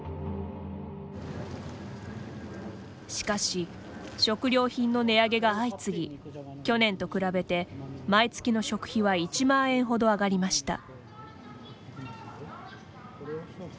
しかし、食料品の値上げが相次ぎ去年と比べて毎月の食費は１万円ほど上がりました。